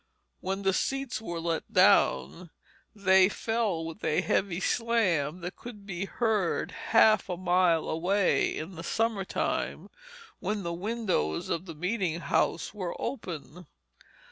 When the seats were let down, they fell with a heavy slam that could be heard half a mile away in the summer time, when the windows of the meeting house were open.